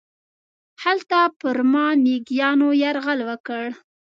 هلته پر ما میږیانو یرغل وکړ.